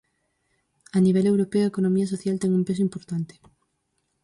A nivel europeo, a economía social ten un peso importante.